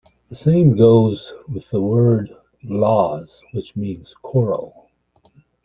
The same goes with the word "lahs" which means "coral".